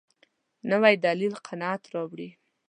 نوی دلیل قناعت راولي